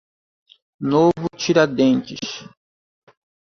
Novo Tiradentes